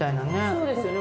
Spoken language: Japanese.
そうですね